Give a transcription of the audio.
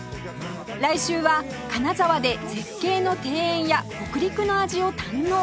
来週は金沢で絶景の庭園や北陸の味を堪能